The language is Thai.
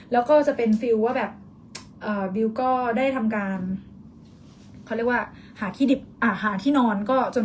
แล้วก็จะเป็นฟิวว่าแบบบิ๊วก็ได้ทำการเขาเรียกว่าหาที่นอน